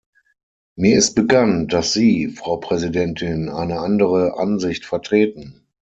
Mir ist bekannt, dass Sie, Frau Präsidentin, eine andere Ansicht vertreten.